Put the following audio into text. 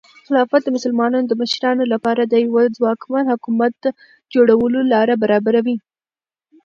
خلافت د مسلمانانو د مشرانو لپاره د یوه ځواکمن حکومت جوړولو لاره برابروي.